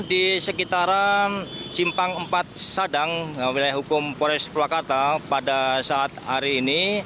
di sekitaran simpang empat sadang wilayah hukum polres purwakarta pada saat hari ini